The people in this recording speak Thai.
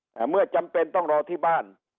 แต่เมื่อจำเป็นต้องรอที่บ้าน